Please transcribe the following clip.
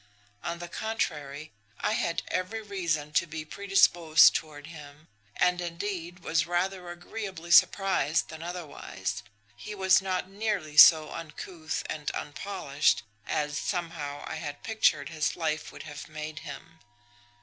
On the contrary, I had every reason to be predisposed toward him; and, indeed, was rather agreeably surprised than otherwise he was not nearly so uncouth and unpolished as, somehow, I had pictured his life would have made him.